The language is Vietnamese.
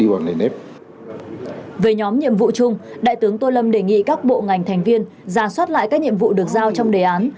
về nhóm nhiệm vụ chung đại tướng tô lâm đề nghị các bộ ngành thành viên ra soát lại các nhiệm vụ được giao trong đề án